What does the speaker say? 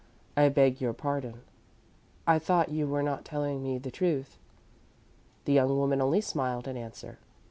"I beg your pardon. I thought you were not telling me the truth." The young woman only smiled in answer.